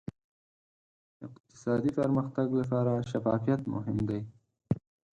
اقتصادي پرمختګ لپاره شفافیت مهم دی.